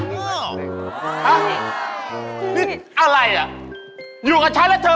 มองหน้าแล้วผมคออ่ะพี่